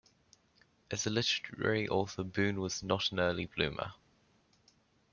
As a literary author Boon was not an early bloomer.